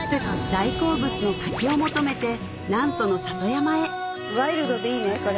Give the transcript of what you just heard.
大好物の柿を求めて南砺の里山へワイルドでいいねこれ。